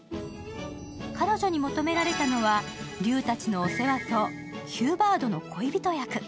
彼女に求められたのは竜たちのお世話とヒューバードの恋人役。